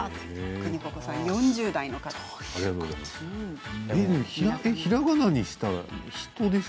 くにここさん、４０代の方です。